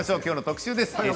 きょうの特集です。